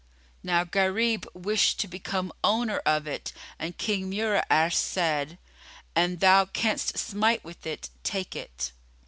Now Gharib wished to become owner of it, and King Mura'ash said, "An thou canst smite with it, take it."